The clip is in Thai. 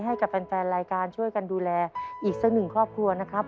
ให้กับแฟนรายการช่วยกันดูแลอีกสักหนึ่งครอบครัวนะครับ